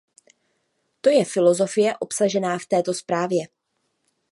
To je filosofie obsažená v této zprávě.